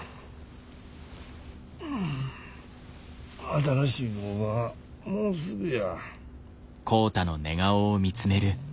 新しい工場もうすぐや。